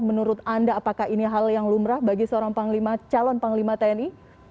menurut anda apakah ini hal yang lumrah bagi seorang calon panglima tni